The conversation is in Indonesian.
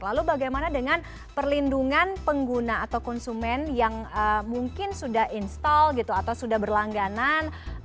lalu bagaimana dengan perlindungan pengguna atau konsumen yang mungkin sudah install gitu atau sudah berlangganan